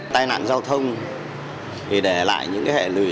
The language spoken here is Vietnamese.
tai nạn giao thông